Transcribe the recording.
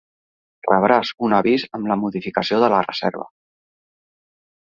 Rebràs un avís amb la modificació de la reserva.